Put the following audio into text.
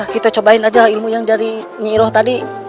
kita cobain aja ilmu yang dari miroh tadi